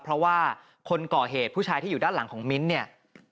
เพราะว่าคนก่อเหตุผู้ชายที่อยู่ด้านหลังของมิ้นท์เนี่ย